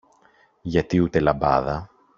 γιατί ούτε λαμπάδα